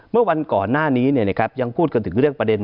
เมื่อวันก่อนหน้านี้ยังพูดกันถึงเรื่องประเด็น